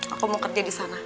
aku mau kerja di sana